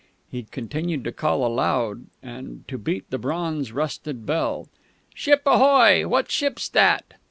He continued to call aloud, and to beat on the bronze rusted bell. _"Ship ahoy! What ship's that?"